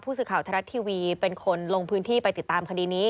สื่อข่าวไทยรัฐทีวีเป็นคนลงพื้นที่ไปติดตามคดีนี้